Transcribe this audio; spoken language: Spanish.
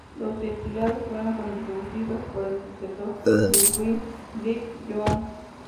Los exiliados fueron conducidos por el sucesor de Smith, Brigham Young.